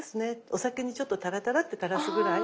お酒にちょっとたらたらっとたらすぐらい？